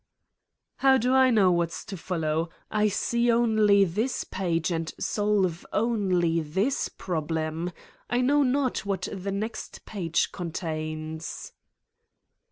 " "How do I know what's to follow? I see only this page and solve only this problem. I know not what the next page contains.''